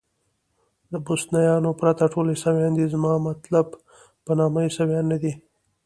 د بوسنیایانو پرته ټول عیسویان دي، زما مطلب په نامه عیسویان نه دي.